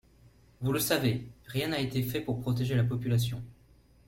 Vous le savez, rien n’a été fait pour protéger la population.